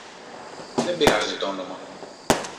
Δεν πειράζει τ' όνομα